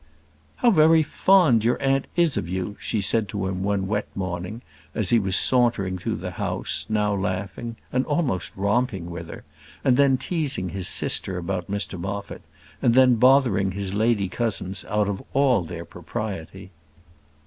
"How very fond your aunt is of you!" she said to him one wet morning, as he was sauntering through the house; now laughing, and almost romping with her then teasing his sister about Mr Moffat and then bothering his lady cousins out of all their propriety.